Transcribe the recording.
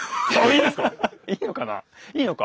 いいのか。